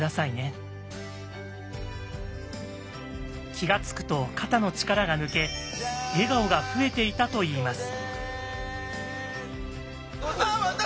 気が付くと肩の力が抜け笑顔が増えていたといいます。